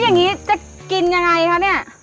อย่างนี้จะกินยังไงคะเนี่ย